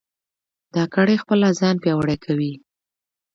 دا کړۍ خپله ځان پیاوړې کوي.